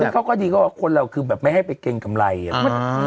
ซึ่งเขาก็ดีก็ว่าคนเราคือแบบไม่ให้ไปเกรงกำไรอะ